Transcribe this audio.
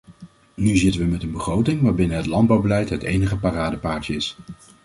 Nu zitten we met een begroting waarbinnen het landbouwbeleid het enige paradepaardje is.